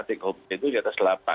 take home itu di atas rp delapan